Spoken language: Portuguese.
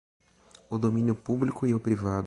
O domínio público e o privado.